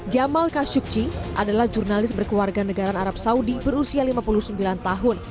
jamal khasyukji adalah jurnalis berkeluarga negara arab saudi berusia lima puluh sembilan tahun